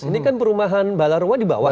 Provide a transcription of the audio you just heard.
ini kan perumahan balarowa di bawah